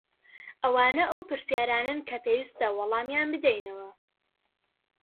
ئەوانە ئەو پرسیارانەن کە پێویستە وەڵامیان بدەینەوە.